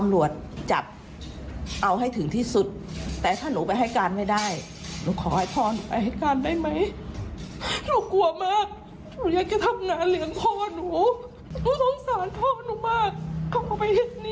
และคงไม่มีกินจะมาทำบนผู้แบบนี้อะพี่